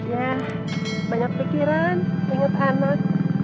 ya banyak pikiran ingat anak